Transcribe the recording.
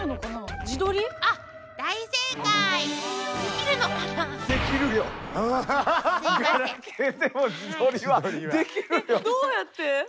えっどうやって？